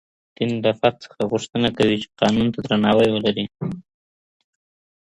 دین له فرد څخه غوښتنه کوي چي قانون ته درناوی ولري.